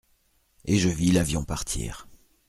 Et je vis l’avion partir.